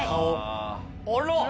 あら！